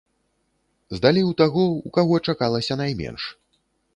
Здалі ў таго, у каго чакалася найменш.